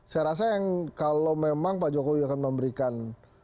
saya rasa yang kalau memang pak jokowi akan memberikan